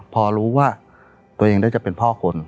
พอรู้ว่าตัวเองได้จะเป็นพ่อคน